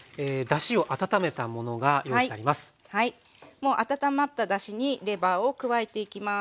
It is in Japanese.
もう温まっただしにレバーを加えていきます。